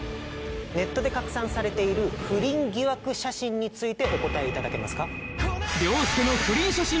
ネットで拡散されている不倫疑惑写真についてお答えいただけますか？